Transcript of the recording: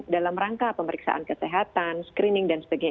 dalam rangka pemeriksaan kesehatan screening dan sebagainya